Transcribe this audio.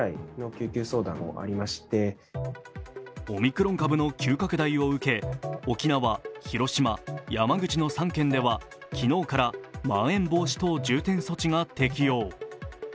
オミクロン株の急拡大を受け、沖縄、広島、山口の３県では昨日からまん延防止等重点措置が適用。